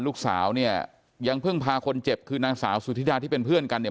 ลูกสาวเนี่ยยังเพิ่งพาคนเจ็บคือนางสาวสุธิดาที่เป็นเพื่อนกันเนี่ย